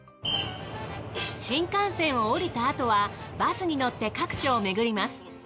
新幹線を降りたあとはバスに乗って各所をめぐります。